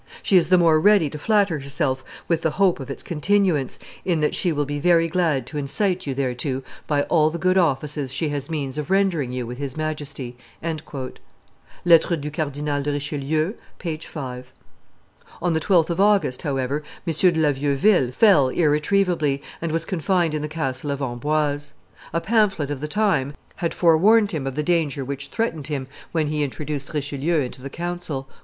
She is the more ready to flatter herself with the hope of its continuance, in that she will be very glad to incite you thereto by all the good offices she has means of rendering you with His Majesty." [Lettres du Cardinal de Richelieu, t. ii. p. 5.] On the 12th of August, however, M. de la Vieuville fell irretrievably, and was confined in the castle of Amboise. A pamphlet of the time had forewarned him of the danger which threatened him when he introduced Richelieu into the council.